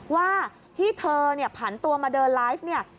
ว่าที่เธอผ่านตัวมาเดินไลฟ์